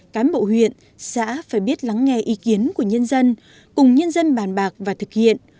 cán bộ huyện xã phải biết lắng nghe ý kiến của nhân dân cùng nhân dân bàn bạc và thực hiện